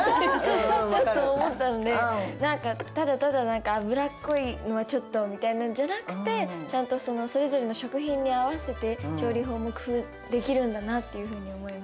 ちょっと思ったんで何かただただ油っこいのはちょっとみたいなのじゃなくてちゃんとそれぞれの食品に合わせて調理法も工夫できるんだなっていうふうに思いました。